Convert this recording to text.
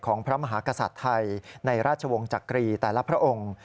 พระมหากษัตริย์ไทยในราชวงศ์จักรีแต่ละพระองค์